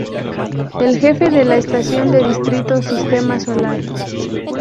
El jefe de la estación de Distrito Sistema Solar.